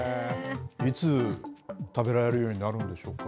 いつ食べられるようになるんでしょうか。